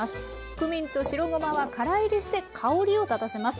クミンと白ごまはからいりして香りを立たせます。